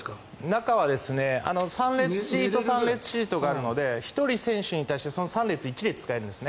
中は３列シート３列シートがあるので１人選手に対して１シート使えるんです。